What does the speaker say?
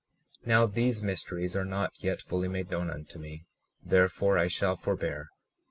37:11 Now these mysteries are not yet fully made known unto me; therefore I shall forbear.